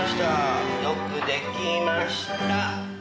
よくできました！